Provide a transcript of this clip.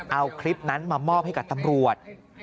เอาคลิปนั้นมามอบให้กับตำรวจ